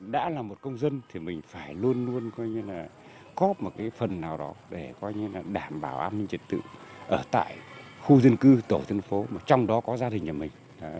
đã là một công dân thì mình phải luôn luôn coi như là có một cái phần nào đó để coi như là đảm bảo an ninh trật tự ở tại khu dân cư tổ dân phố mà trong đó có gia đình nhà mình